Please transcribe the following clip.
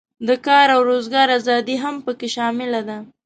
د کار او روزګار آزادي هم پکې شامله ده.